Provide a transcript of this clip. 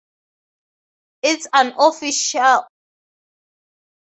Its unofficial motto is The city so nice, they named it Rice.